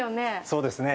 そうですね。